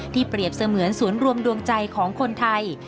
เปรียบเสมือนศูนย์รวมดวงใจของคนไทย